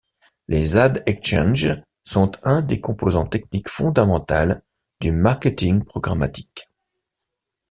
Les Ad-exchanges sont un des composants techniques fondamentales du Marketing programmatique.